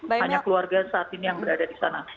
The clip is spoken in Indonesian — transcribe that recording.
hanya keluarga saat ini yang berada di sana